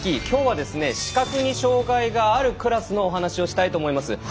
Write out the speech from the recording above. きょうは視覚に障がいがあるクラスのお話をしたいと思います。